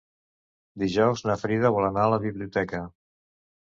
Dijous na Frida vol anar a la biblioteca.